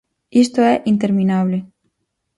Isto é interminable.